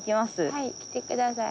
はい来て下さい。